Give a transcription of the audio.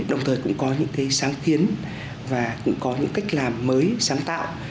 đồng thời cũng có những sáng kiến và cũng có những cách làm mới sáng tạo